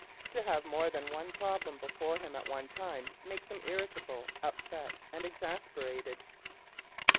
To have more than one problem before him at one time makes him irritable, upset and exasperated.